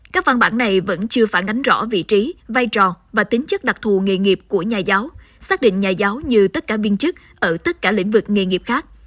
các văn bản này vẫn chưa phản ánh rõ vị trí vai trò và tính chất đặc thù nghề nghiệp của nhà giáo xác định nhà giáo như tất cả biên chức ở tất cả lĩnh vực nghề nghiệp khác